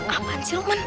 apaan sih loman